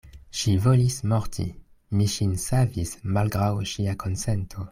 Ŝi volis morti: mi ŝin savis malgraŭ ŝia konsento.